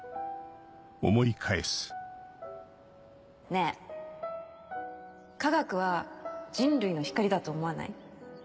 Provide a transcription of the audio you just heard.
ねぇ科学は人類の光だと思わない？